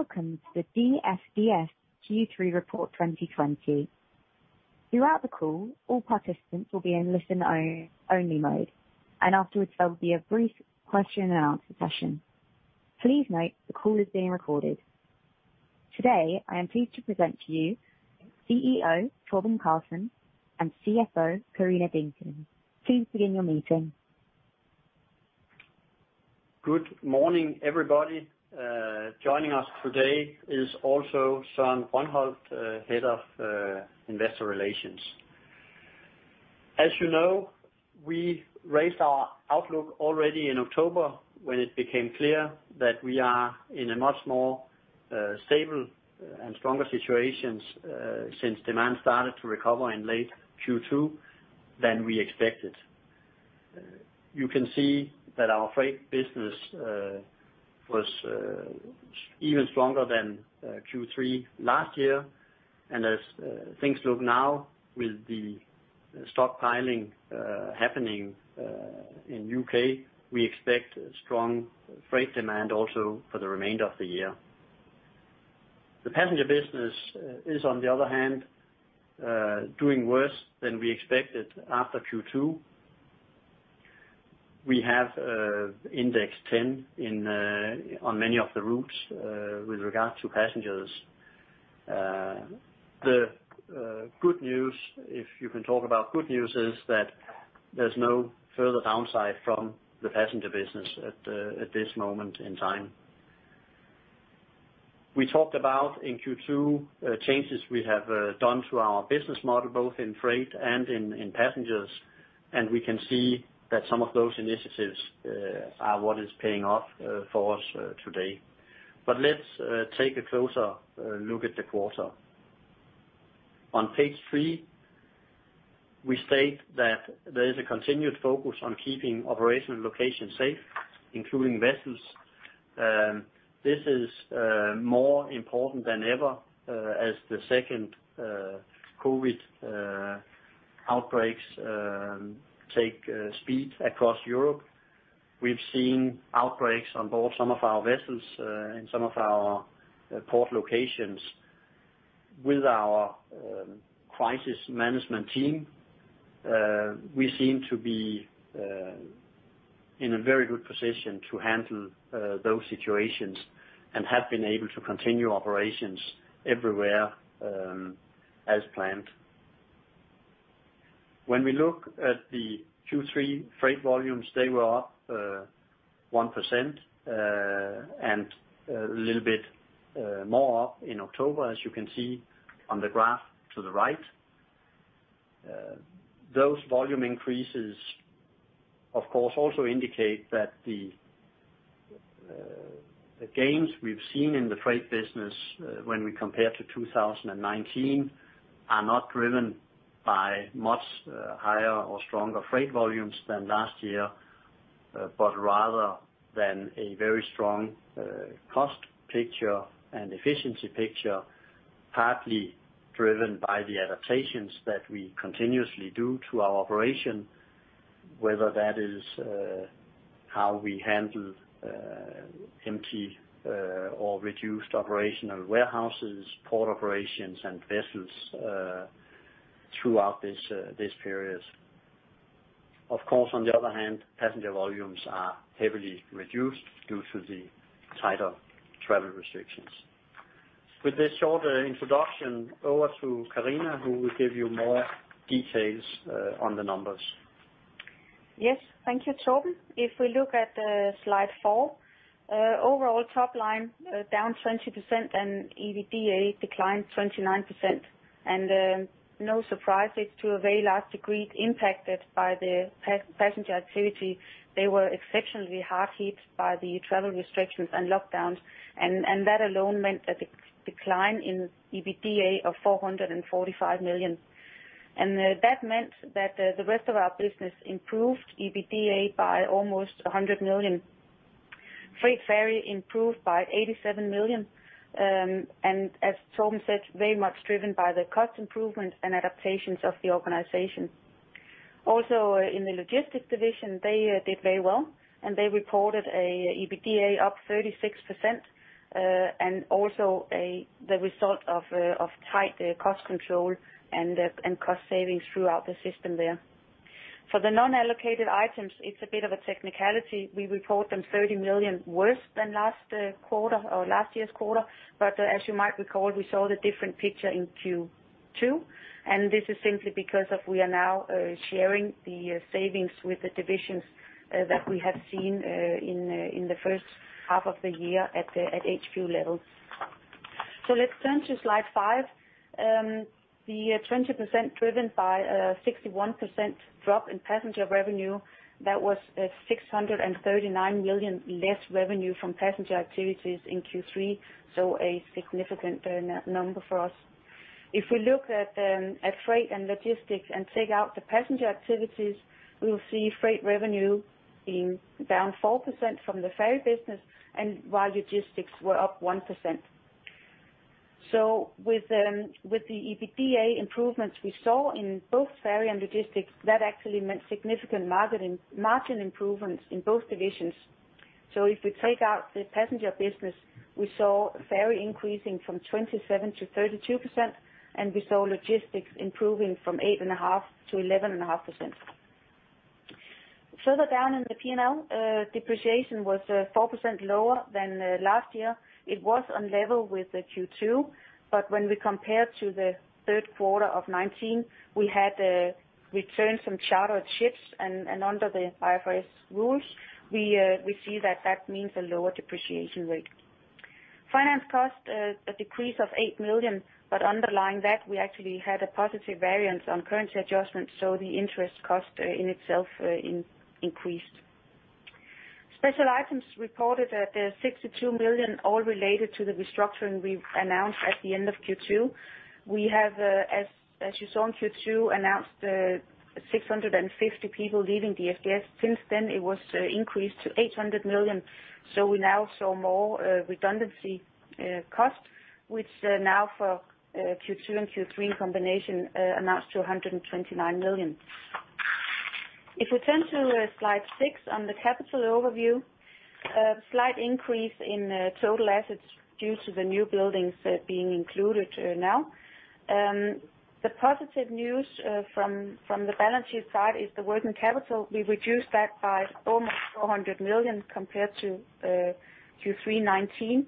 Welcome to the DFDS Q3 Report 2020. Throughout the call, all participants will be in listen-only mode, and afterwards there will be a brief question and answer session. Please note, the call is being recorded. Today, I am pleased to present to you CEO Torben Carlsen and CFO Karina Deacon. Please begin your meeting. Good morning, everybody. Joining us today is also Søren Brøndholt, Head of Investor Relations. As you know, we raised our outlook already in October when it became clear that we are in a much more stable and stronger situation since demand started to recover in late Q2 than we expected. You can see that our freight business was even stronger than Q3 last year. As things look now with the stockpiling happening in U.K., we expect strong freight demand also for the remainder of the year. The passenger business is on the other hand, doing worse than we expected after Q2. We have index 10 on many of the routes with regard to passengers. The good news, if you can talk about good news, is that there's no further downside from the passenger business at this moment in time. We talked about in Q2 changes we have done to our business model, both in freight and in passengers, and we can see that some of those initiatives are what is paying off for us today. Let's take a closer look at the quarter. On page three, we state that there is a continued focus on keeping operational locations safe, including vessels. This is more important than ever, as the second COVID outbreaks take speed across Europe. We've seen outbreaks on board some of our vessels in some of our port locations. With our crisis management team, we seem to be in a very good position to handle those situations and have been able to continue operations everywhere as planned. When we look at the Q3 freight volumes, they were up 1% and a little bit more in October, as you can see on the graph to the right. Those volume increases, of course, also indicate that the gains we've seen in the freight business when we compare to 2019 are not driven by much higher or stronger freight volumes than last year, but rather than a very strong cost picture and efficiency picture, partly driven by the adaptations that we continuously do to our operation, whether that is how we handle empty or reduced operational warehouses, port operations, and vessels throughout this period. Of course, on the other hand, passenger volumes are heavily reduced due to the tighter travel restrictions. With this short introduction, over to Karina, who will give you more details on the numbers. Yes. Thank you, Torben. If we look at the slide four, overall top line down 20% and EBITDA declined 29%. No surprises, to a very large degree impacted by the passenger activity. They were exceptionally hard hit by the travel restrictions and lockdowns, that alone meant a decline in EBITDA of 445 million. That meant that the rest of our business improved EBITDA by almost 100 million. Freight ferry improved by 87 million, and as Torben said, very much driven by the cost improvements and adaptations of the organization. Also, in the logistics division, they did very well, and they reported an EBITDA up 36%, and also the result of tight cost control and cost savings throughout the system there. For the non-allocated items, it's a bit of a technicality. We report them 30 million worse than last year's quarter. As you might recall, we saw the different picture in Q2. This is simply because we are now sharing the savings with the divisions that we have seen in the first half of the year at HQ levels. Let's turn to slide five. The 20% driven by a 61% drop in passenger revenue, that was 639 million less revenue from passenger activities in Q3, a significant number for us. If we look at freight and logistics and take out the passenger activities, we will see freight revenue being down 4% from the ferry business and while logistics were up 1%. With the EBITDA improvements we saw in both ferry and logistics, that actually meant significant margin improvements in both divisions. If we take out the passenger business, we saw ferry increasing from 27%-32%, and we saw logistics improving from 8.5%-11.5%. Further down in the P&L, depreciation was 4% lower than last year. It was on level with Q2, but when we compare to the third quarter of 2019, we had returned some chartered ships, and under the IFRS rules, we see that that means a lower depreciation rate. Finance cost, a decrease of 8 million, but underlying that, we actually had a positive variance on currency adjustments, so the interest cost in itself increased. Special items reported at 62 million, all related to the restructuring we announced at the end of Q2. We have, as you saw in Q2, announced 650 people leaving DFDS. Since then, it was increased to 800 million. We now saw more redundancy cost, which now for Q2 and Q3 in combination amounts to 129 million. We turn to slide six on the capital overview, a slight increase in total assets due to the new buildings being included now. The positive news from the balance sheet side is the working capital. We reduced that by almost 400 million compared to Q3 2019.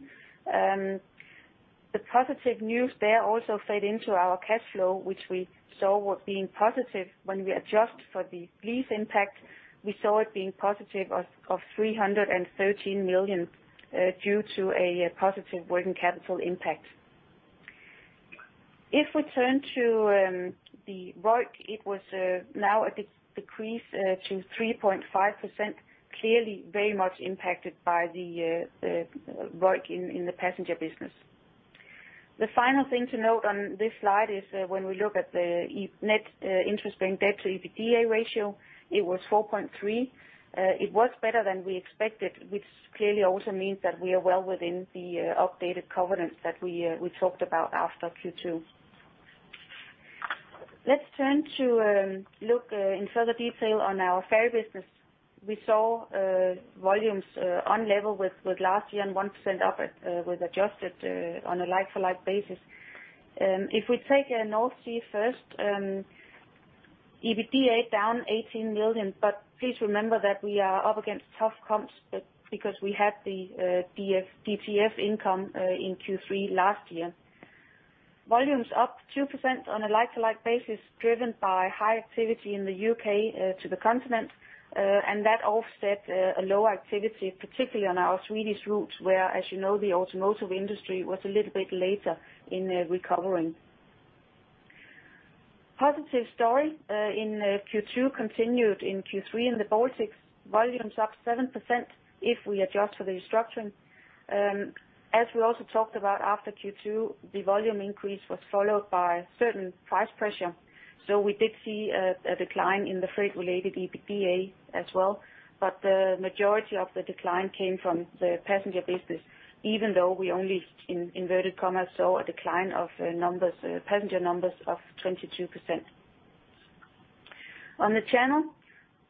The positive news there also fed into our cash flow, which we saw was being positive when we adjust for the lease impact. We saw it being positive of 313 million due to a positive working capital impact. We turn to the ROIC, it was now a decrease to 3.5%, clearly very much impacted by the ROIC in the passenger business. The final thing to note on this slide is when we look at the net interest-bearing debt to EBITDA ratio, it was 4.3. It was better than we expected, which clearly also means that we are well within the updated covenants that we talked about after Q2. Let's turn to look in further detail on our ferry business. We saw volumes on level with last year and 1% up with adjusted on a like-for-like basis. If we take North Sea first, EBITDA down 18 million. Please remember that we are up against tough comps because we had the DfT income in Q3 last year. Volumes up 2% on a like-to-like basis, driven by high activity in the U.K. to the continent. That offset a low activity, particularly on our Swedish routes, where, as you know, the automotive industry was a little bit later in recovering. Positive story in Q2 continued in Q3 in the Baltics. Volumes up 7% if we adjust for the restructuring. As we also talked about after Q2, the volume increase was followed by certain price pressure. We did see a decline in the freight-related EBITDA as well. The majority of the decline came from the passenger business, even though we only, in inverted commas, saw a decline of passenger numbers of 22%. On the channel,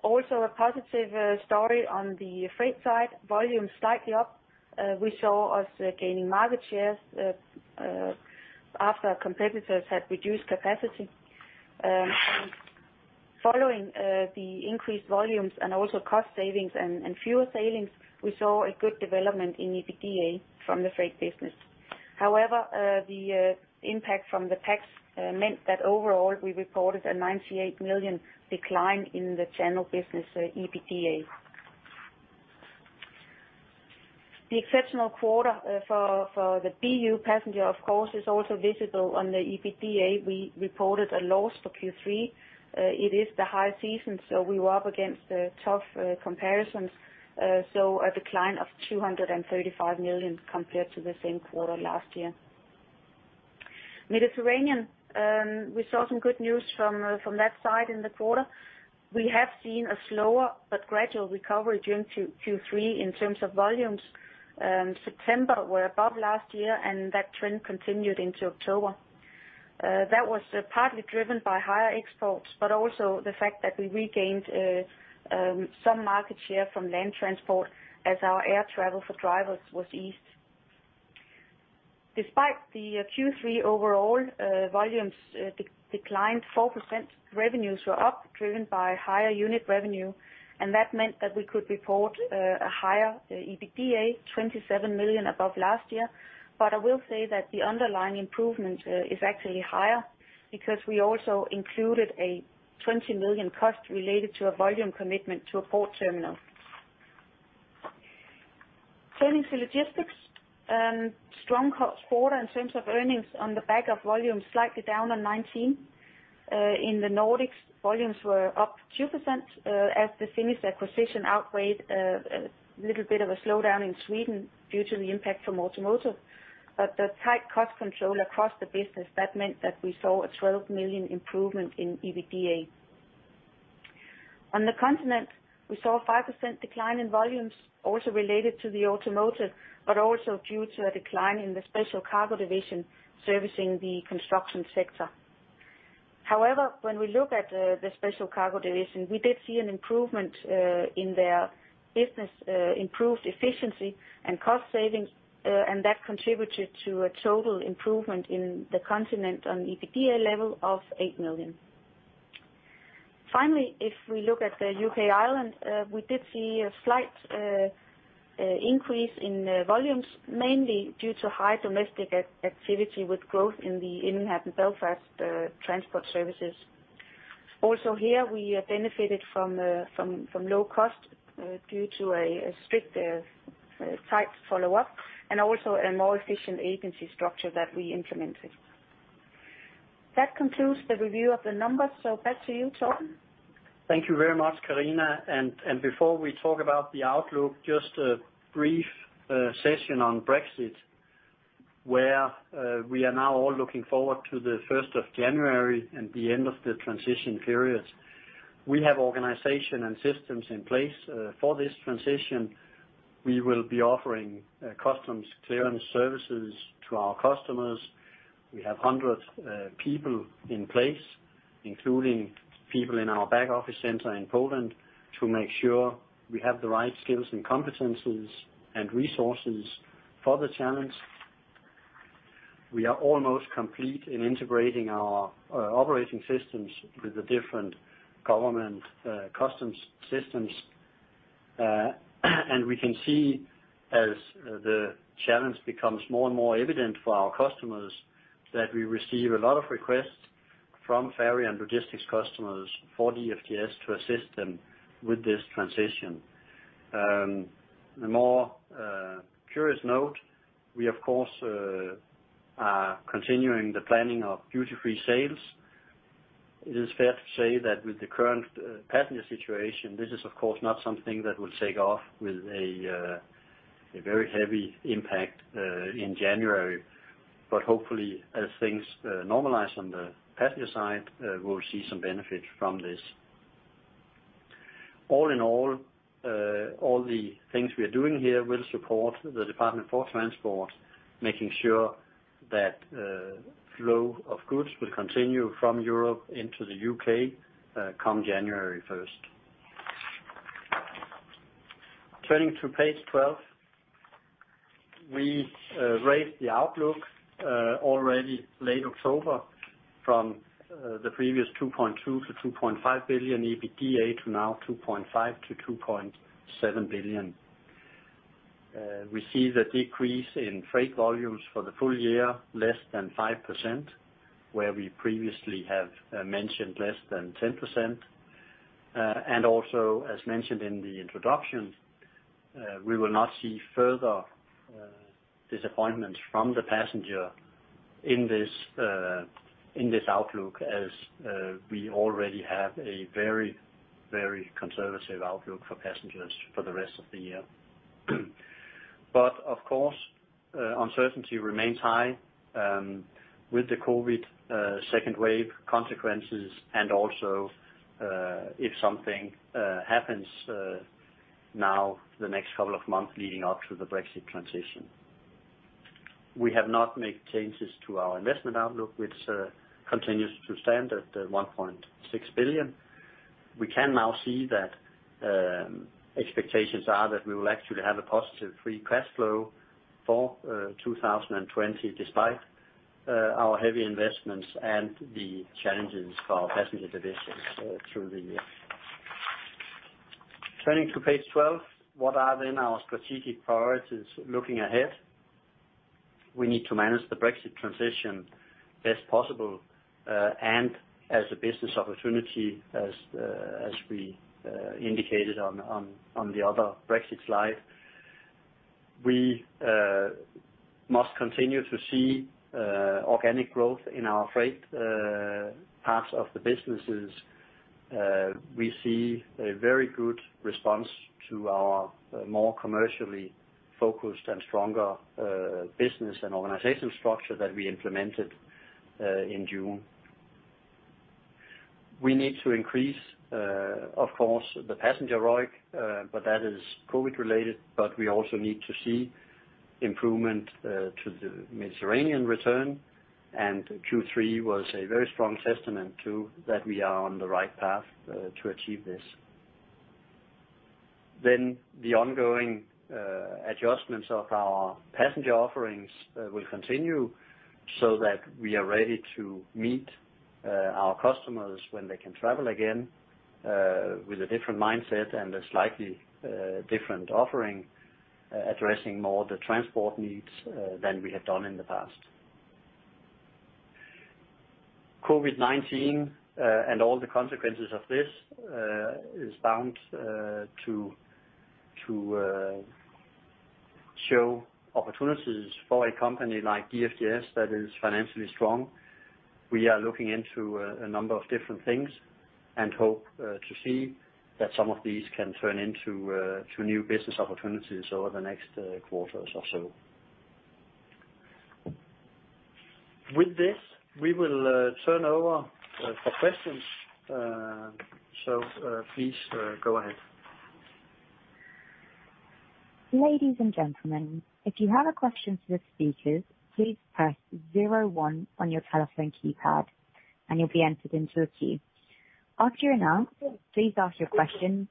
also a positive story on the freight side. Volumes slightly up. We saw us gaining market shares after competitors had reduced capacity. Following the increased volumes and also cost savings and fewer sailings, we saw a good development in EBITDA from the freight business. However, the impact from the pax meant that overall, we reported a 98 million decline in the channel business EBITDA. The exceptional quarter for the BU Passenger, of course, is also visible on the EBITDA. We reported a loss for Q3. It is the high season, so we were up against tough comparisons, so a decline of 235 million compared to the same quarter last year. Mediterranean, we saw some good news from that side in the quarter. We have seen a slower but gradual recovery during Q3 in terms of volumes. September were above last year. That trend continued into October. That was partly driven by higher exports. Also, the fact that we regained some market share from land transport as our air travel for drivers was eased. Despite the Q3 overall volumes declined 4%, revenues were up, driven by higher unit revenue. That meant that we could report a higher EBITDA, 27 million above last year. I will say that the underlying improvement is actually higher because we also included a 20 million cost related to a volume commitment to a port terminal. Turning to logistics, strong quarter in terms of earnings on the back of volumes slightly down on 2019. In the Nordics, volumes were up 2% as the Finnish acquisition outweighed a little bit of a slowdown in Sweden due to the impact from automotive. The tight cost control across the business, that meant that we saw a 12 million improvement in EBITDA. On the continent, we saw a 5% decline in volumes also related to the automotive, but also due to a decline in the special cargo division servicing the construction sector. When we look at the special cargo division, we did see an improvement in their business, improved efficiency and cost savings, and that contributed to a total improvement in the continent on the EBITDA level of 8 million. If we look at the U.K./Ireland, we did see a slight increase in volumes, mainly due to high domestic activity with growth in the Immingham and Belfast transport services. Here, we benefited from low cost due to a strict type follow-up and also a more efficient agency structure that we implemented. That concludes the review of the numbers. Back to you, Torben. Thank you very much, Karina. Before we talk about the outlook, just a brief session on Brexit, where we are now all looking forward to the 1st of January and the end of the transition period. We have organization and systems in place for this transition. We will be offering customs clearance services to our customers. We have 100 people in place, including people in our back-office center in Poland, to make sure we have the right skills and competencies and resources for the challenge. We are almost complete in integrating our operating systems with the different government customs systems. We can see as the challenge becomes more and more evident for our customers, that we receive a lot of requests from ferry and logistics customers for DFDS to assist them with this transition. On a more curious note, we of course are continuing the planning of duty-free sales. It is fair to say that with the current passenger situation, this is of course not something that will take off with a very heavy impact in January, but hopefully as things normalize on the passenger side, we'll see some benefit from this. All in all the things we are doing here will support the Department for Transport, making sure that flow of goods will continue from Europe into the U.K. come January 1st. Turning to page 12, we raised the outlook already late October from the previous 2.2 billion-2.5 billion EBITDA to now 2.5 billion-2.7 billion. We see the decrease in freight volumes for the full year, less than 5%, where we previously have mentioned less than 10%. As mentioned in the introduction, we will not see further disappointment from the passenger in this outlook as we already have a very conservative outlook for passengers for the rest of the year. Of course, uncertainty remains high with the COVID second wave consequences and also if something happens now the next couple of months leading up to the Brexit transition. We have not made changes to our investment outlook, which continues to stand at 1.6 billion. We can now see that expectations are that we will actually have a positive free cash flow for 2020 despite our heavy investments and the challenges for our passenger divisions through the year. Turning to page 12, what are then our strategic priorities looking ahead? We need to manage the Brexit transition best possible and as a business opportunity as we indicated on the other Brexit slide. We must continue to see organic growth in our freight parts of the businesses. We see a very good response to our more commercially focused and stronger business and organization structure that we implemented in June. We need to increase, of course, the passenger ROIC, but that is COVID related, but we also need to see improvement to the Mediterranean return, and Q3 was a very strong testament, too, that we are on the right path to achieve this. The ongoing adjustments of our passenger offerings will continue so that we are ready to meet our customers when they can travel again with a different mindset and a slightly different offering, addressing more the transport needs than we have done in the past. COVID-19 and all the consequences of this is bound to show opportunities for a company like DFDS that is financially strong. We are looking into a number of different things and hope to see that some of these can turn into new business opportunities over the next quarters or so. With this, we will turn over for questions. Please go ahead. Ladies and gentlemen, if you have a question for the speakers, please press zero one on your telephone keypad and you'll be entered into a queue. After you're announced, please ask your question.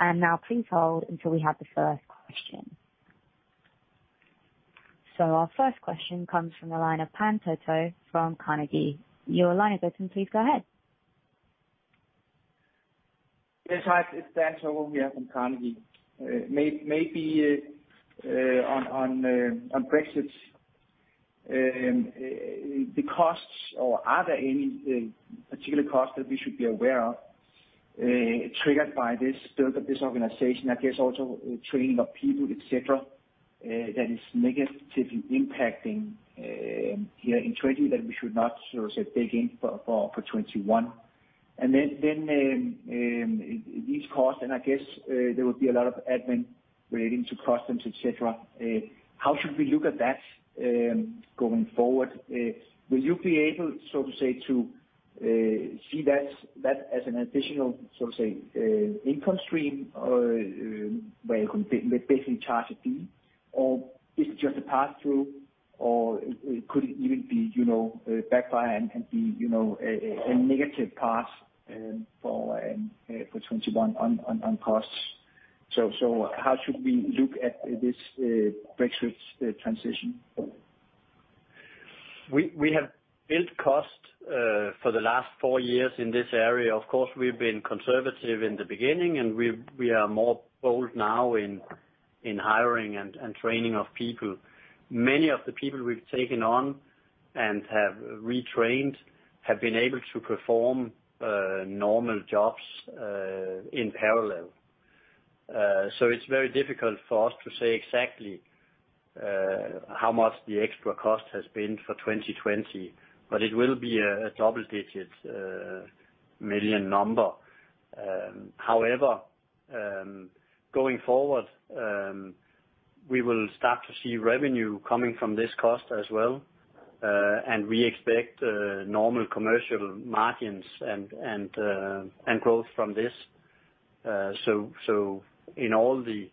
Now please hold until we have the first question. Our first question comes from the line of Dan Togo from DNB Carnegie. You're line open, please go ahead. Yes, hi. It's Dan Togo here from Carnegie. Maybe on Brexit, the costs or are there any particular costs that we should be aware of triggered by this build up, this organization, I guess also training of people, et cetera, that is negatively impacting here in 2020 that we should not sort of say dig in for 2021? Then these costs, and I guess there will be a lot of admin relating to customs, et cetera. How should we look at that going forward? Will you be able, so to say, to see that as an additional income stream, where you can basically charge a fee, or is it just a pass-through or could it even be a backfire and be a negative pass for 2021 on costs? How should we look at this Brexit transition? We have built cost for the last four years in this area. Of course, we've been conservative in the beginning, we are bolder now in hiring and training of people. Many of the people we've taken on and have retrained have been able to perform normal jobs in parallel. It's very difficult for us to say exactly how much the extra cost has been for 2020, but it will be a double-digit million number. However, going forward, we will start to see revenue coming from this cost as well. We expect normal commercial margins and growth from this. In all the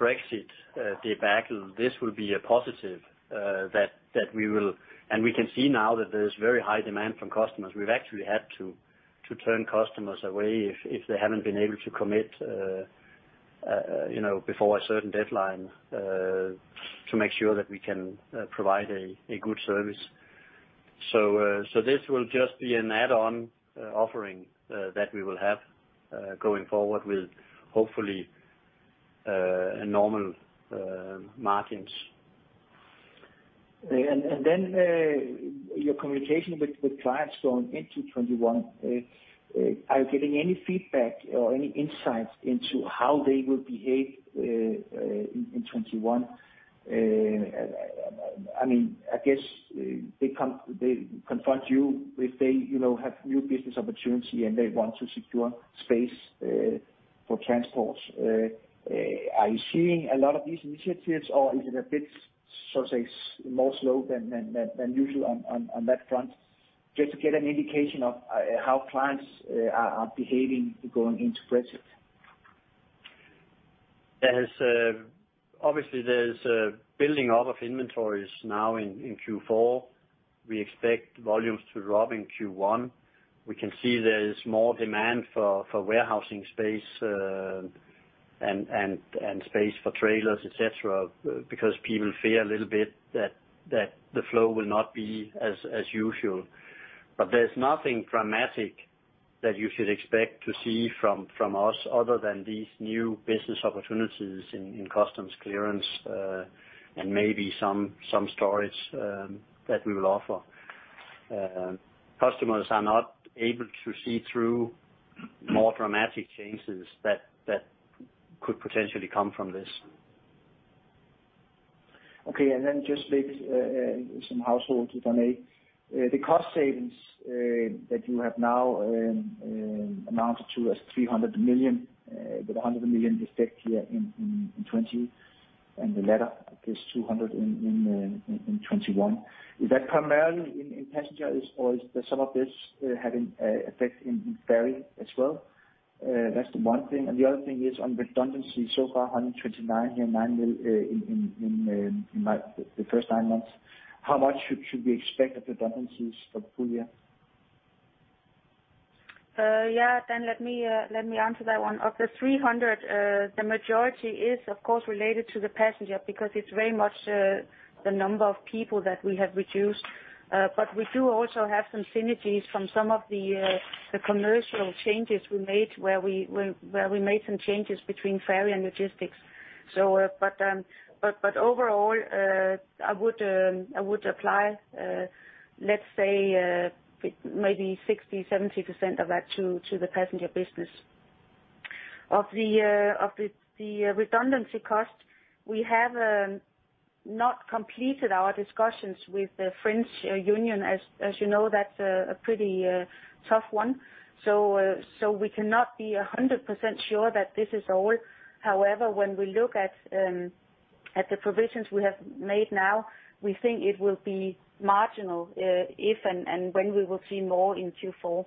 Brexit debacle, this will be a positive. We can see now that there's very high demand from customers. We've actually had to turn customers away if they haven't been able to commit before a certain deadline to make sure that we can provide a good service. This will just be an add-on offering that we will have going forward with hopefully normal margins. Then your communication with clients going into 2021. Are you getting any feedback or any insights into how they will behave in 2021? I guess they confront you if they have new business opportunity and they want to secure space for transports. Are you seeing a lot of these initiatives or is it a bit slow than usual on that front? Just to get an indication of how clients are behaving going into Brexit. Obviously, there's a building up of inventories now in Q4. We expect volumes to drop in Q1. We can see there is more demand for warehousing space and space for trailers, et cetera, because people fear a little bit that the flow will not be as usual. There's nothing dramatic that you should expect to see from us other than these new business opportunities in customs clearance, and maybe some storage that we will offer. Customers are not able to see through more dramatic changes that could potentially come from this. Okay, just maybe some household, Susanne. The cost savings that you have now announced to us 300 million, with 100 million effect here in 2020, the latter, I guess 200 million in 2021. Is that primarily in passenger or is some of this having effect in ferry as well? That's the one thing, the other thing is on redundancy. So far, 129 here, 9 million in the first nine months. How much should we expect of redundancies for the full year? Let me answer that one. Of the 300, the majority is of course related to the passenger because it's very much the number of people that we have reduced. We do also have some synergies from some of the commercial changes we made where we made some changes between ferry and logistics. Overall, I would apply, let's say, maybe 60%-70% of that to the passenger business. Of the redundancy cost, we have not completed our discussions with the French Union. As you know, that's a pretty tough one. We cannot be 100% sure that this is all. However, when we look at the provisions we have made now, we think it will be marginal if and when we will see more in Q4.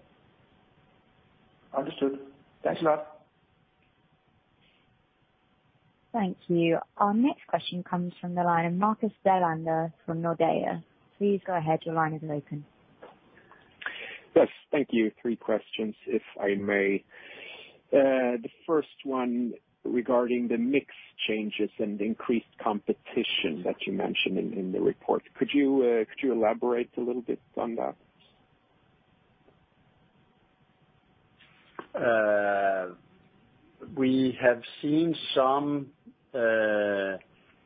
Understood. Thanks a lot. Thank you. Our next question comes from the line of Marcus Bellander from Nordea. Please go ahead. Your line is open. Yes, thank you. Three questions, if I may. The first one regarding the mix changes and increased competition that you mentioned in the report. Could you elaborate a little bit on that? We have seen some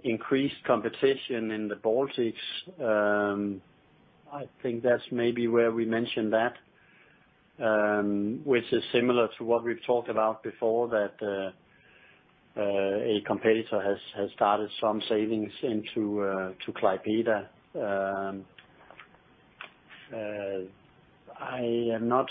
increased competition in the Baltics. I think that's maybe where we mentioned that, which is similar to what we've talked about before, that a competitor has started some sailings into Klaipeda. I am not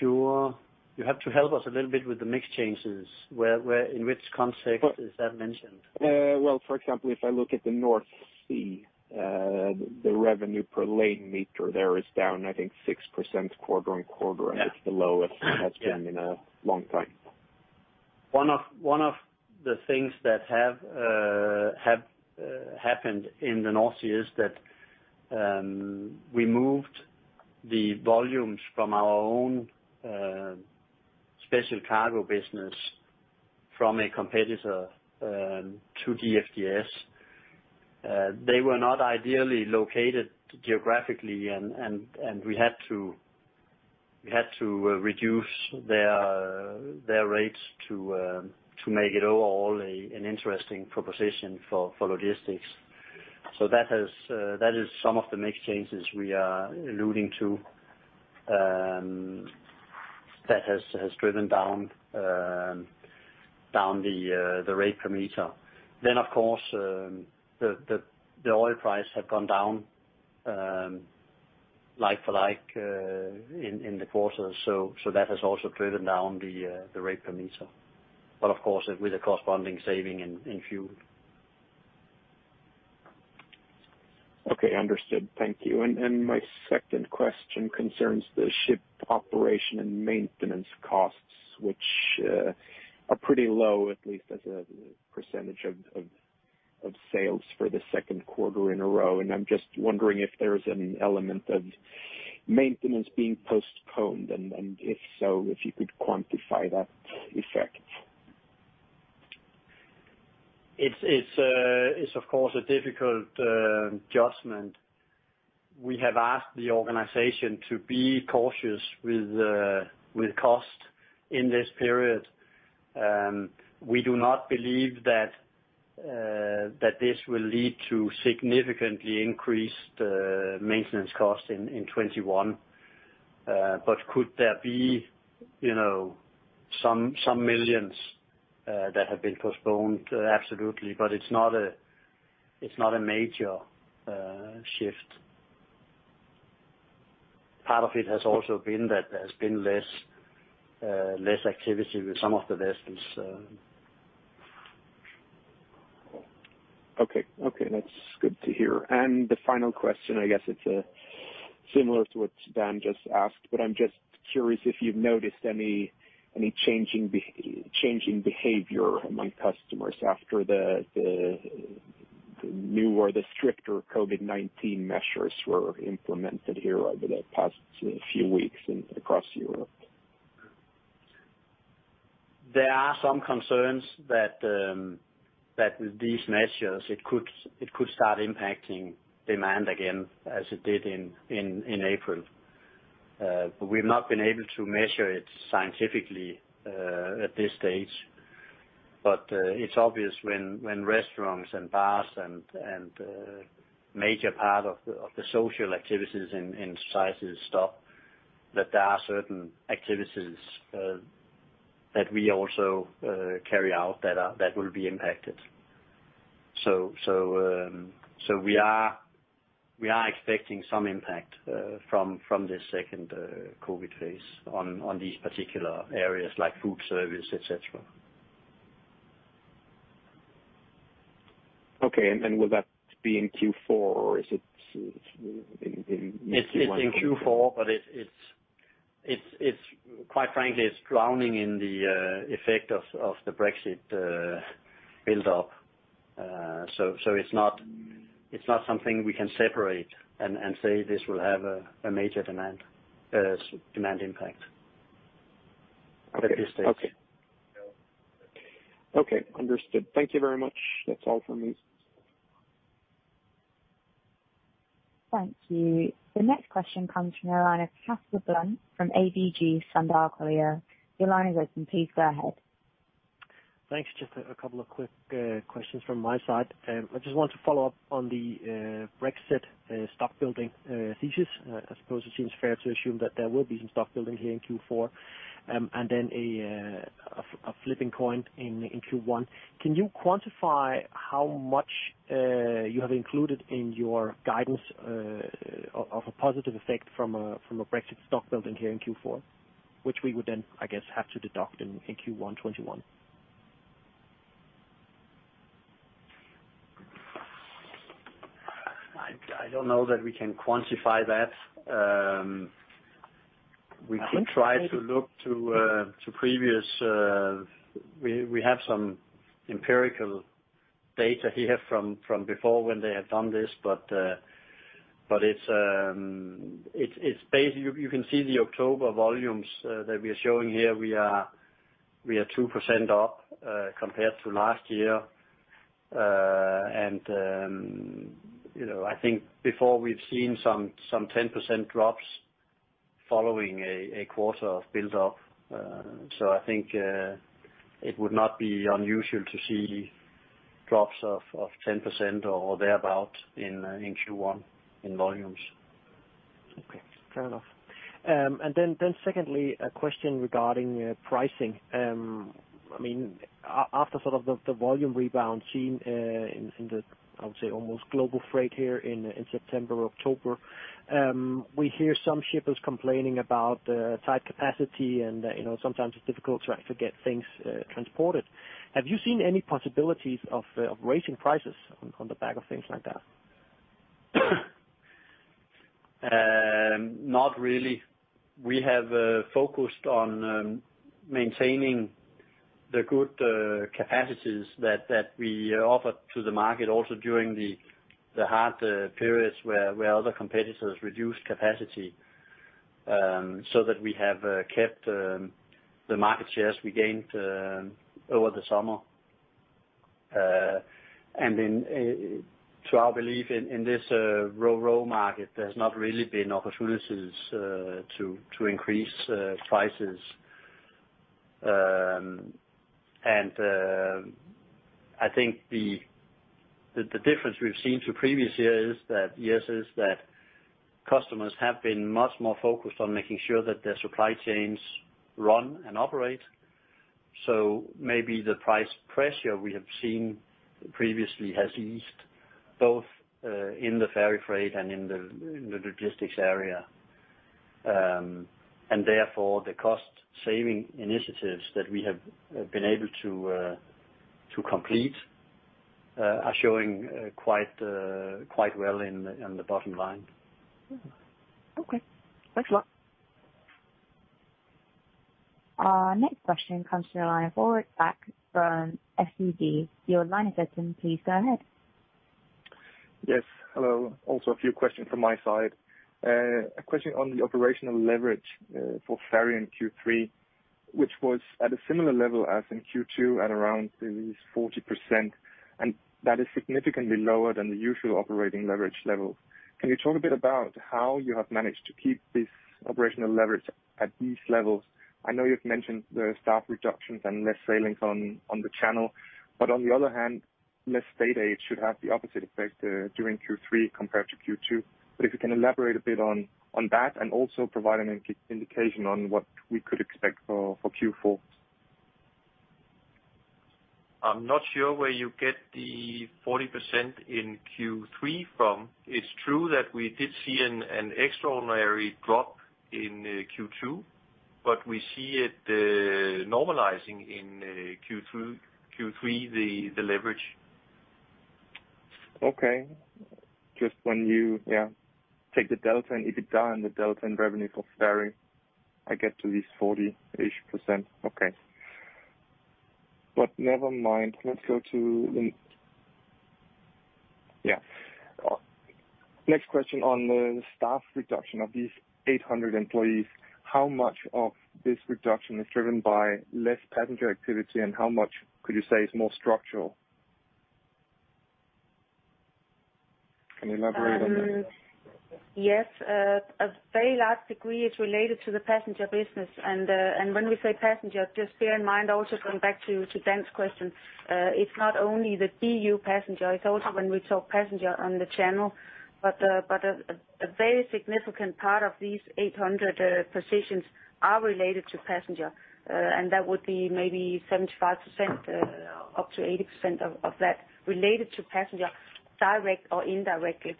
sure. You have to help us a little bit with the mix changes. In which context is that mentioned? Well, for example, if I look at the North Sea, the revenue per lane meter there is down, I think 6% quarter-over-quarter. Yeah It's the lowest it has been in a long time. One of the things that have happened in the North Sea is that we moved the volumes from our own special cargo business from a competitor to DFDS. We had to reduce their rates to make it overall an interesting proposition for logistics. That is some of the mix changes we are alluding to that has driven down the rate per meter. Of course, the oil price had gone down like for like in the quarter. That has also driven down the rate per meter. Of course, with a corresponding saving in fuel. Okay, understood. Thank you. My second question concerns the ship operation and maintenance costs, which are pretty low, at least as a percentage of sales for the second quarter in a row. I am just wondering if there is an element of maintenance being postponed, and if so, if you could quantify that effect. It's of course a difficult adjustment. We have asked the organization to be cautious with cost in this period. We do not believe that this will lead to significantly increased maintenance costs in 2021. Could there be some millions that have been postponed? Absolutely. It's not a major shift. Part of it has also been that there's been less activity with some of the vessels. Okay. That's good to hear. The final question, I guess it's similar to what Dan just asked, I'm just curious if you've noticed any changing behavior among customers after the new or the stricter COVID-19 measures were implemented here over the past few weeks across Europe. There are some concerns that with these measures, it could start impacting demand again as it did in April. We've not been able to measure it scientifically at this stage. It's obvious when restaurants and bars and a major part of the social activities in societies stop, that there are certain activities that we also carry out that will be impacted. We are expecting some impact from this second COVID phase on these particular areas like food service, et cetera. Okay, will that be in Q4, or is it in Q1? It's in Q4, but quite frankly, it's drowning in the effect of the Brexit build up. It's not something we can separate and say this will have a major demand impact at this stage. Okay. Understood. Thank you very much. That's all from me. Thank you. The next question comes from the line of Casper Blom from ABG Sundal Collier. Your line is open. Please go ahead. Thanks. Just a couple of quick questions from my side. I just want to follow up on the Brexit stock building thesis. I suppose it seems fair to assume that there will be some stock building here in Q4, and then a flipping coin in Q1. Can you quantify how much you have included in your guidance of a positive effect from a Brexit stock building here in Q4, which we would then, I guess, have to deduct in Q1 2021? I don't know that we can quantify that. We could try to look to previous We have some empirical data here from before when they had done this. You can see the October volumes that we are showing here. We are 2% up compared to last year. I think before we've seen some 10% drops following a quarter of build up. I think it would not be unusual to see drops of 10% or thereabout in Q1 in volumes. Okay. Fair enough. Secondly, a question regarding pricing. After the volume rebound seen in the, I would say, almost global freight here in September or October, we hear some shippers complaining about tight capacity and sometimes it's difficult to actually get things transported. Have you seen any possibilities of raising prices on the back of things like that? Not really. We have focused on maintaining the good capacities that we offer to the market also during the hard periods where other competitors reduced capacity, so that we have kept the market shares we gained over the summer. To our belief in this Ro-Ro market, there's not really been opportunities to increase prices. I think the difference we've seen to previous years is that customers have been much more focused on making sure that their supply chains run and operate. Maybe the price pressure we have seen previously has eased both in the ferry freight and in the logistics area. Therefore, the cost-saving initiatives that we have been able to complete are showing quite well in the bottom line. Okay. Thanks a lot. Our next question comes from. Your line is open. Please go ahead. Hello. Also a few questions from my side. A question on the operational leverage for ferry in Q3, which was at a similar level as in Q2 at around at least 40%, and that is significantly lower than the usual operating leverage level. Can you talk a bit about how you have managed to keep this operational leverage at these levels? I know you've mentioned the staff reductions and less sailings on the channel. On the other hand, less stay days should have the opposite effect during Q3 compared to Q2. If you can elaborate a bit on that and also provide an indication on what we could expect for Q4. I'm not sure where you get the 40% in Q3 from. It's true that we did see an extraordinary drop in Q2, but we see it normalizing in Q3, the leverage. Okay. Just when you, yeah, take the delta and EBITDA and the delta in revenue for ferry, I get to this 40%. Okay. Never mind. Let's go to the next question on the staff reduction of these 800 employees. How much of this reduction is driven by less passenger activity, and how much could you say is more structural? Can you elaborate on that? Yes. A very large degree is related to the passenger business. When we say passenger, just bear in mind also going back to Dan's question, it's not only the BU Passenger, it's also when we talk Passenger on the channel. A very significant part of these 800 positions are related to Passenger. That would be maybe 75%, up to 80% of that related to passenger, direct or indirectly.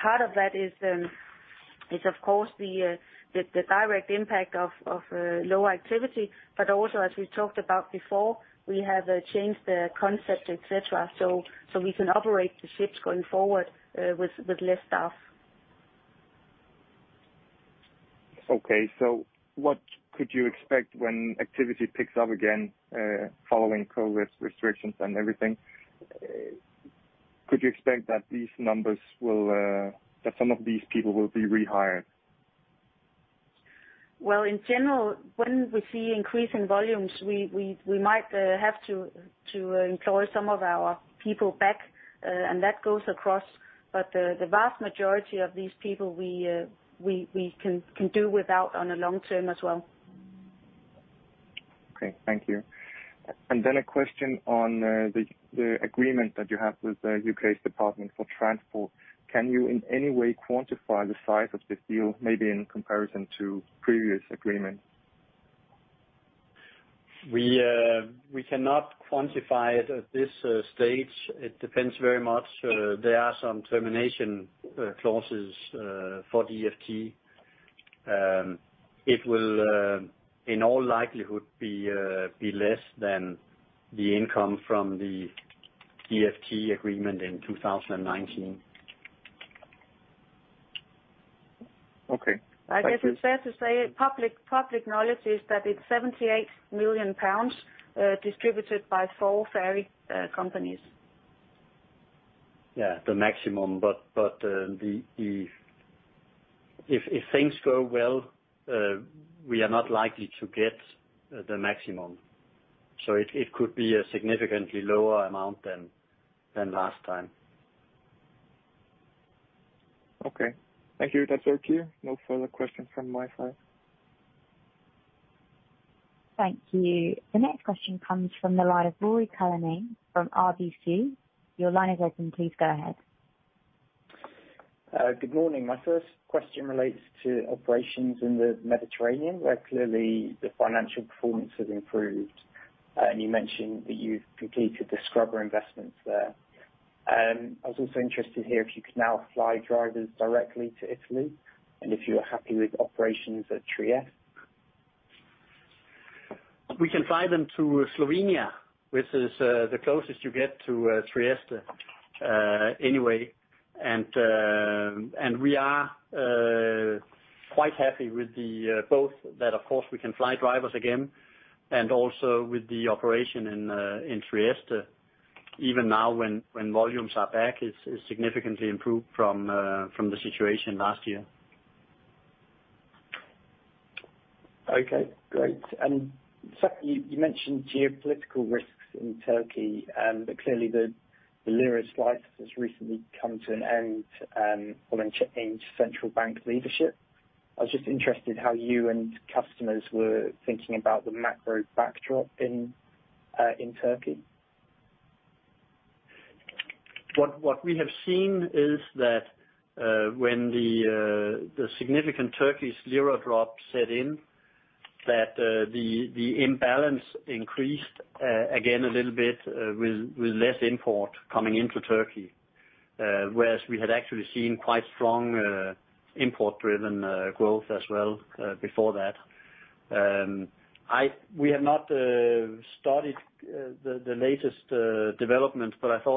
Part of that is of course, the direct impact of low activity. Also, as we talked about before, we have changed the concept, et cetera, so we can operate the ships going forward with less staff. Okay. What could you expect when activity picks up again following COVID restrictions and everything? Could you expect that some of these people will be rehired? In general, when we see increase in volumes, we might have to employ some of our people back, and that goes across. The vast majority of these people we can do without on a long term as well. Okay. Thank you. A question on the agreement that you have with the U.K.'s Department for Transport. Can you in any way quantify the size of this deal, maybe in comparison to previous agreements? We cannot quantify it at this stage. It depends very much. There are some termination clauses for DfT. It will, in all likelihood, be less than the income from the DfT agreement in 2019. Okay. Thank you. I guess it's fair to say, public knowledge is that it's 78 million pounds distributed by four ferry companies. Yeah, the maximum. If things go well, we are not likely to get the maximum. It could be a significantly lower amount than last time. Okay. Thank you. That's okay. No further questions from my side. Thank you. The next question comes from the line of Ruairi Cullinane from RBC Capital Markets. Your line is open. Please go ahead. Good morning. My first question relates to operations in the Mediterranean, where clearly the financial performance has improved. You mentioned that you've completed the scrubber investments there. I was also interested to hear if you could now fly drivers directly to Italy, and if you're happy with operations at Trieste. We can fly them to Slovenia, which is the closest you get to Trieste anyway. We are quite happy with both that, of course, we can fly drivers again, and also with the operation in Trieste. Even now when volumes are back, it's significantly improved from the situation last year. Okay, great. Secondly, you mentioned geopolitical risks in Turkey. Clearly the lira slide has recently come to an end, following a change in central bank leadership. I was just interested how you and customers were thinking about the macro backdrop in Turkey. What we have seen is that when the significant Turkish lira drop set in, that the imbalance increased again a little bit with less import coming into Turkey. We had actually seen quite strong import-driven growth as well before that. I saw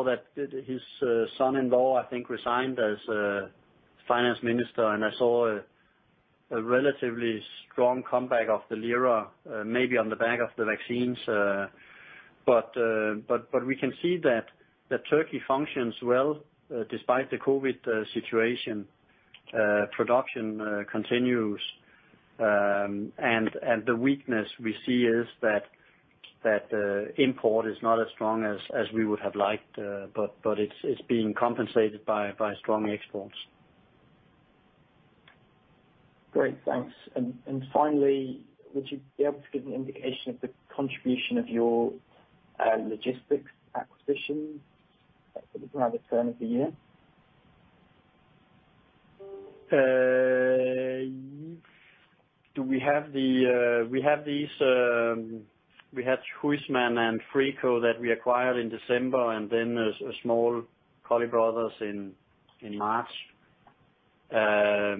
that his son-in-law, I think, resigned as finance minister, and I saw a relatively strong comeback of the lira, maybe on the back of the vaccines. We can see that Turkey functions well despite the COVID situation. Production continues. The weakness we see is that import is not as strong as we would have liked. It's being compensated by strong exports. Great. Thanks. Finally, would you be able to give an indication of the contribution of your logistics acquisition around the turn of the year? We had Huisman and Freeco that we acquired in December, and then a small, Colley Brothers in March. Their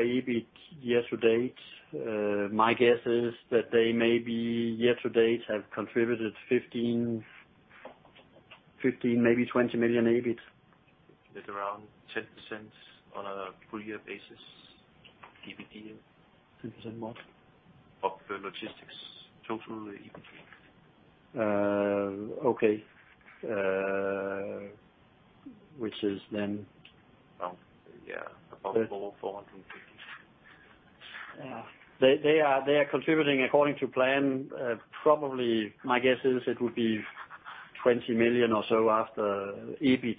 EBIT year to date, my guess is that they maybe year to date have contributed 15 million, maybe 20 million EBIT. It's around 0.10 on a full year basis. EBITDA. 10% more. Of the logistics total EBIT. Okay. Which is then Yeah, above DKK 450. They are contributing according to plan. Probably, my guess is it would be 20 million or so after EBIT,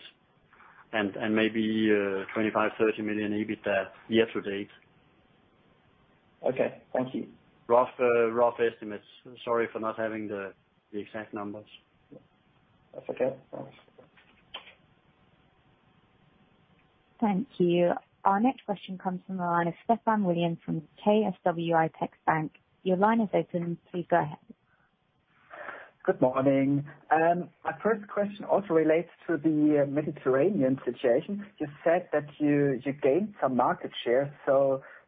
and maybe 25 million, 30 million EBIT year to date. Okay. Thank you. Rough estimates. Sorry for not having the exact numbers. That's okay. Thanks. Thank you. Our next question comes from the line of [Stefan Williams] from KfW IPEX-Bank. Your line is open. Please go ahead. Good morning. My first question also relates to the Mediterranean situation. You said that you gained some market share.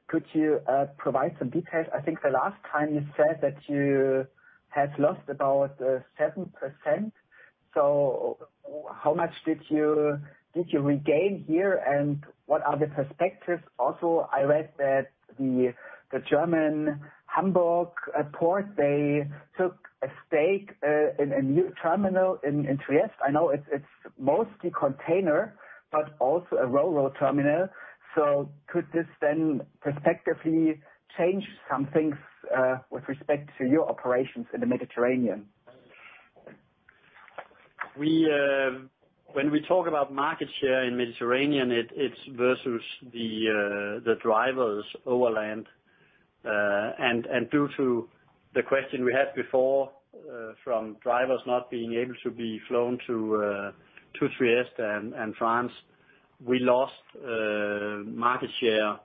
Could you provide some details? I think the last time you said that you had lost about 7%. How much did you regain here, and what are the perspectives? Also, I read that the German Hamburg port, they took a stake in a new terminal in Trieste. I know it's mostly container, but also a railroad terminal. Could this then prospectively change some things, with respect to your operations in the Mediterranean? When we talk about market share in Mediterranean, it's versus the drivers overland. Due to the question we had before, from drivers not being able to be flown to Trieste and France, we lost market share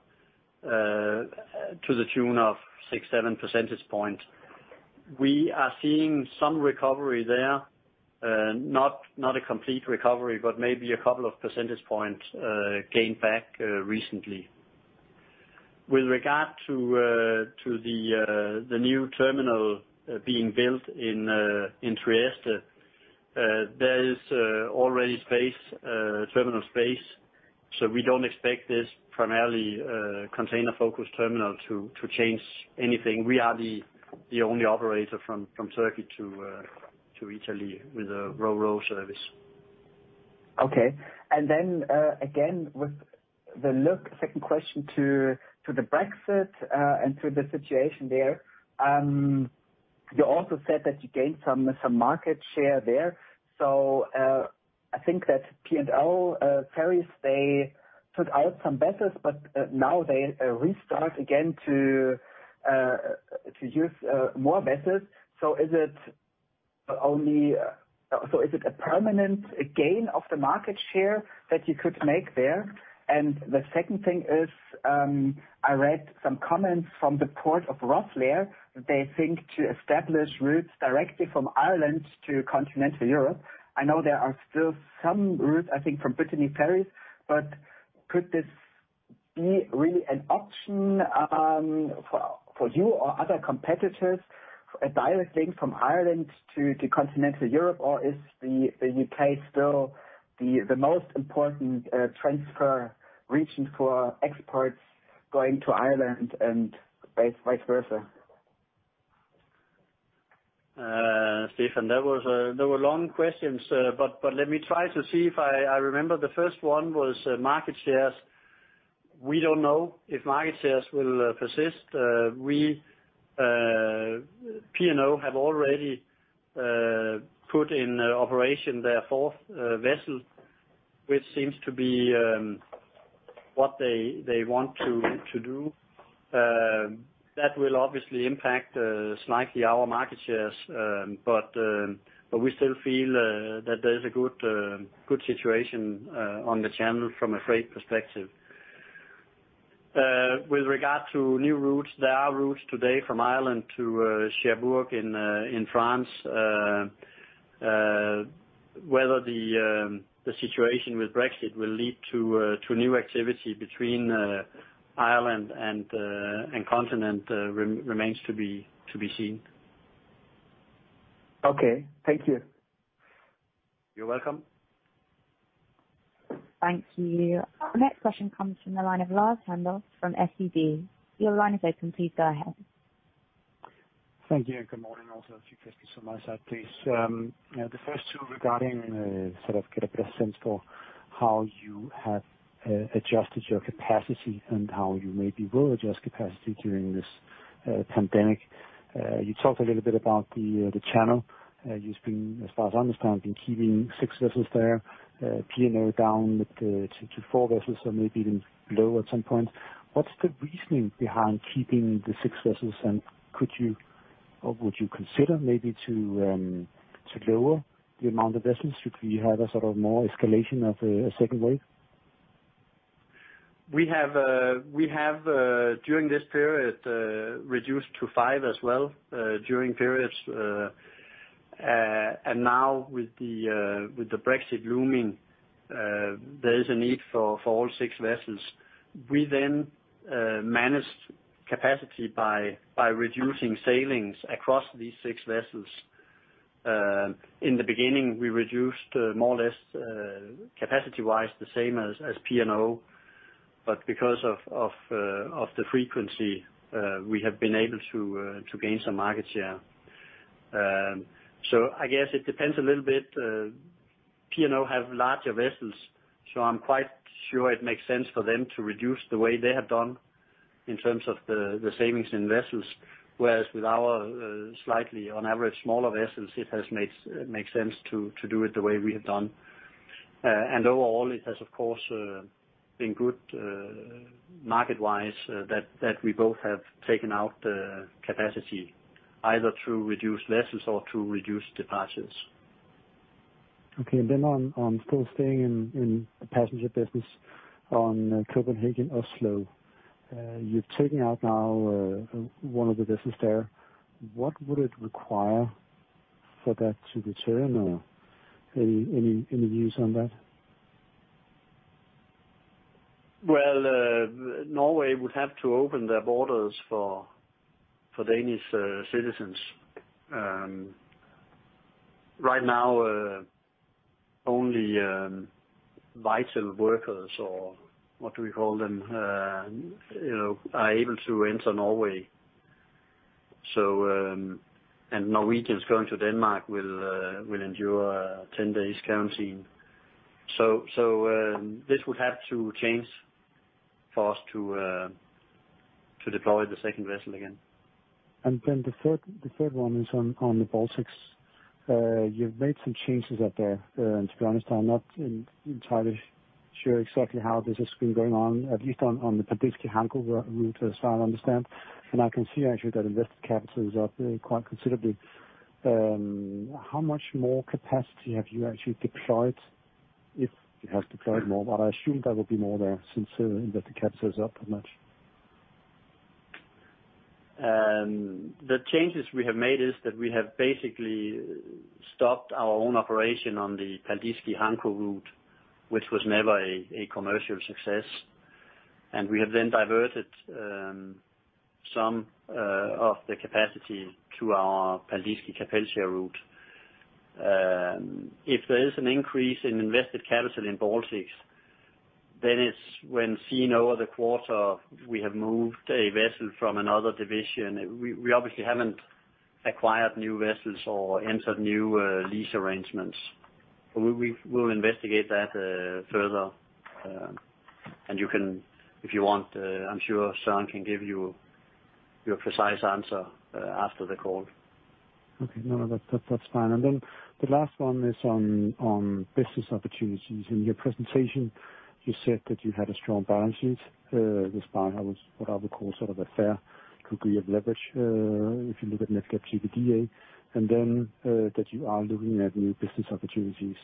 to the tune of six, seven percentage points. We are seeing some recovery there. Not a complete recovery, but maybe a couple of percentage points gained back recently. With regard to the new terminal being built in Trieste, there is already terminal space. We don't expect this primarily container-focused terminal to change anything. We are the only operator from Turkey to Italy with a Ro-Ro service. Okay. Then, again, with the look, second question to the Brexit and to the situation there. You also said that you gained some market share there. I think that P&O Ferries, they took out some vessels, but now they restart again to use more vessels. Is it a permanent gain of the market share that you could make there? The second thing is, I read some comments from the Port of Rosslare. They think to establish routes directly from Ireland to continental Europe. I know there are still some routes, I think, from Brittany Ferries, but could this be really an option for you or other competitors, a direct link from Ireland to continental Europe, or is the U.K. still the most important transfer region for exports going to Ireland and vice versa? Stefan, they were long questions, let me try to see if I remember. The first one was market shares. We don't know if market shares will persist. P&O have already put in operation their fourth vessel, which seems to be what they want to do. That will obviously impact slightly our market shares, we still feel that there's a good situation on the channel from a freight perspective. With regard to new routes, there are routes today from Ireland to Cherbourg in France. Whether the situation with Brexit will lead to new activity between Ireland and continent remains to be seen. Okay. Thank you. You're welcome. Thank you. The next question comes from the line of Lars Heindorff from SEB. Your line is open. Please go ahead. Thank you, and good morning also to please. The first two regarding, sort of get a better sense for how you have adjusted your capacity and how you maybe will adjust capacity during this pandemic. You talked a little bit about the channel. You've been, as far as I understand, been keeping six vessels there, P&O down to four vessels or maybe even lower at some point. What's the reasoning behind keeping the six vessels, and could you or would you consider maybe to lower the amount of vessels should we have a sort of more escalation of a second wave? We have, during this period, reduced to five as well during periods. Now with the Brexit looming, there is a need for all six vessels. We managed capacity by reducing sailings across these six vessels. In the beginning, we reduced more or less capacity-wise the same as P&O. Because of the frequency, we have been able to gain some market share. I guess it depends a little bit. P&O have larger vessels, I'm quite sure it makes sense for them to reduce the way they have done in terms of the savings in vessels, whereas with our slightly, on average, smaller vessels, it has made sense to do it the way we have done. Overall, it has, of course, been good market-wise that we both have taken out the capacity either through reduced vessels or through reduced departures. Okay. Then I'm still staying in the passenger business on Copenhagen-Oslo. You're taking out now one of the vessels there. What would it require for that to return? Any views on that? Well, Norway would have to open their borders for Danish citizens. Right now, only vital workers, or what do we call them, are able to enter Norway. Norwegians going to Denmark will endure a 10 days quarantine. This would have to change for us to deploy the second vessel again. The third one is on the Baltics. You've made some changes out there. To be honest, I'm not entirely sure exactly how this has been going on, at least on the Paldiski-Hanko route, as far I understand. I can see actually that invested capital is up quite considerably. How much more capacity have you actually deployed? It has deployed more, but I assume there will be more there since the invested capital is up that much. The changes we have made is that we have basically stopped our own operation on the Paldiski-Hanko route, which was never a commercial success. We have then diverted some of the capacity to our Paldiski-Kapellskär route. If there is an increase in invested capital in Baltics, then it's when seeing over the quarter, we have moved a vessel from another division. We obviously haven't acquired new vessels or entered new lease arrangements. We will investigate that further. You can, if you want, I'm sure Søren can give you your precise answer after the call. Okay. No, that's fine. The last one is on business opportunities. In your presentation, you said that you had a strong balance sheet, despite what I would call sort of a fair degree of leverage, if you look at net debt EBITDA, and then that you are looking at new business opportunities.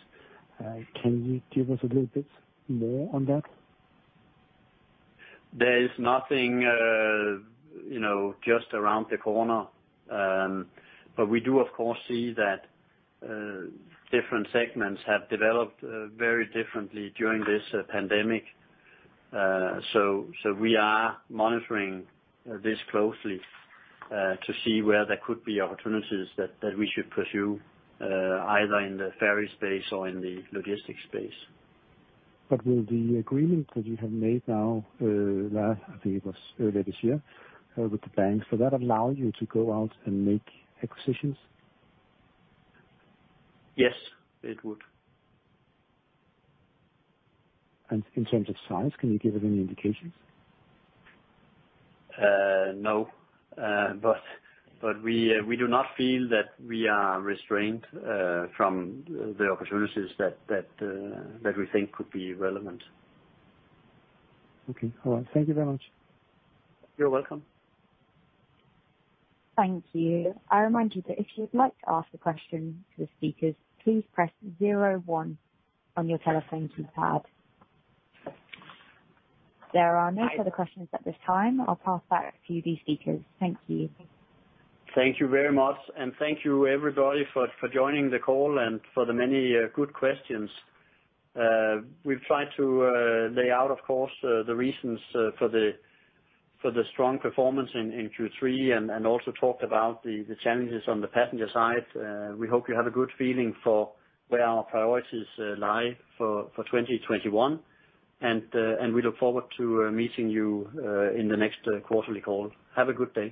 Can you give us a little bit more on that? There is nothing just around the corner. We do, of course, see that different segments have developed very differently during this pandemic. We are monitoring this closely to see where there could be opportunities that we should pursue, either in the ferry space or in the logistics space. Will the agreement that you have made now, I think it was earlier this year, with the banks, will that allow you to go out and make acquisitions? Yes, it would. In terms of size, can you give any indications? No. We do not feel that we are restrained from the opportunities that we think could be relevant. Okay. All right. Thank you very much. You're welcome. Thank you. I remind you that if you'd like to ask a question to the speakers, please press zero one on your telephone keypad. There are no further questions at this time. I'll pass back to you, the speakers. Thank you. Thank you very much. Thank you everybody for joining the call and for the many good questions. We've tried to lay out, of course, the reasons for the strong performance in Q3 and also talked about the challenges on the passenger side. We hope you have a good feeling for where our priorities lie for 2021. We look forward to meeting you in the next quarterly call. Have a good day.